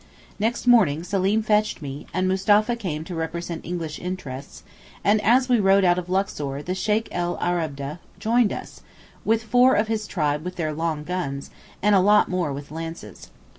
Next morning Seleem fetched me, and Mustapha came to represent English interests, and as we rode out of Luxor the Sheykh el Ababdeh joined us, with four of his tribe with their long guns, and a lot more with lances.